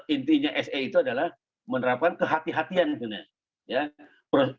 intinya se itu adalah menerapkan kehatian kehatian sebenarnya